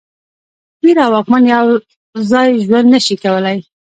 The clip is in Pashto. پیر او واکمن یو ځای ژوند نه شي کولای.